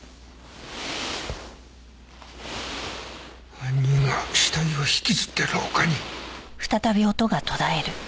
犯人が死体を引きずって廊下に。